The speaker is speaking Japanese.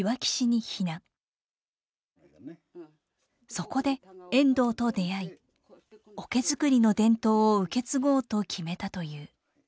そこで遠藤と出会い桶づくりの伝統を受け継ごうと決めたという。